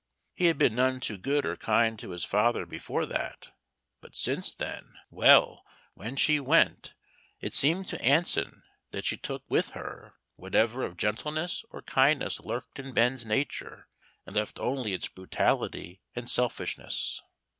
He had been none too good or kind to his father before that; but since then well, when she went, it seemed to Anson that she took with her whatever of gentleness or kindness lurked in Ben's nature, and left only its brutality and selfishness.